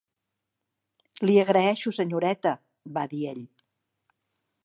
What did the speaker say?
"Li agraeixo, senyoreta", va dir ell.